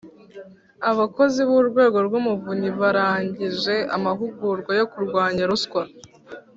Abakozi b Urwego rw Umuvunyi barangije amahugurwa yo kurwanya ruswa